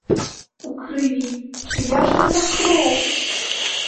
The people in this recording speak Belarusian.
У крыві, чыя ж гэта кроў?